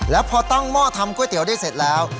แล้วพอตั้งหม้อทำก๋วยเตี๋ยวได้เสร็จแล้ว